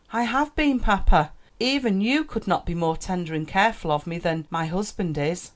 "I have been, papa; even you could not be more tender and careful of me than my husband is."